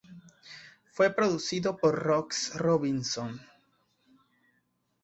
Fue producido por Ross Robinson.